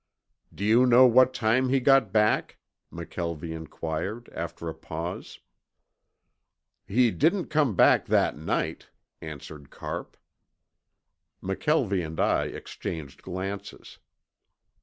"Do you know what time he got back?" McKelvie inquired after a pause. "He didn't come back that night," answered Carpe. McKelvie and I exchanged glances.